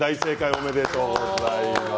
おめでとうございます。